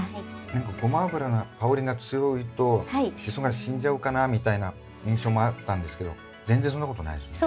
何かゴマ油が香りが強いとシソが死んじゃうかなみたいな印象もあったんですけど全然そんなことないですね。